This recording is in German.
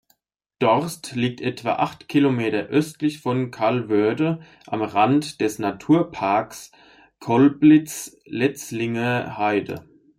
Dorst liegt etwa acht Kilometer östlich von Calvörde am Rande des Naturparks Colbitz-Letzlinger Heide.